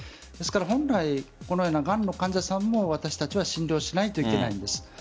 ですから本来このようながんの患者さんも私たちは診療しないといけないんです。